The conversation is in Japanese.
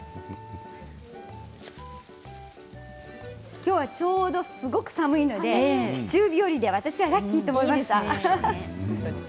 今日は、ちょうどすごく寒いのでシチュー日和で私はラッキーと思いました。